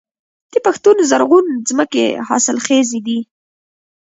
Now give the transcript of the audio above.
د پښتون زرغون ځمکې حاصلخیزه دي